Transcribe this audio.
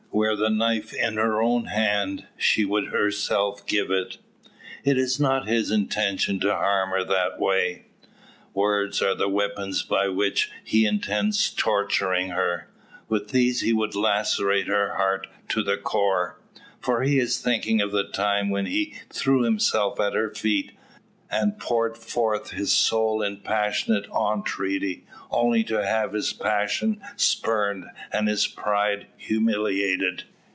Were the knife in her own hand, she would herself give it. It is not his intention to harm her that way. Words are the weapons by which he intends torturing her. With these he will lacerate her heart to its core. For he is thinking of the time when he threw himself at her feet, and poured forth his soul in passionate entreaty, only to have his passion spurned, and his pride humiliated.